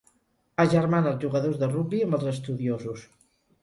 Agermana els jugadors de rugbi amb els estudiosos.